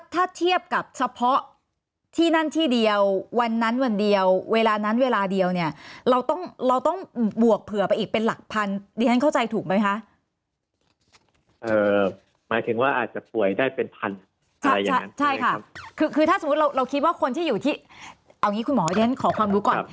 ถ้าเทียบกับเฉพาะที่นั่นที่เดียววันนั้นวันเดียวเวลานั้นเวลาเดียวเนี่ยเราต้องบวกเผื่อไปอีกเป็นหลักพันเดี๋ยวท่านเข้าใจถูกไหมคะ